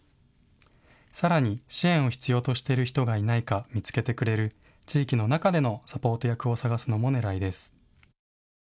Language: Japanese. さらに、支援を必要としている人がいないか見つけてくれる地域の中でのサポート役を探すのも狙いです。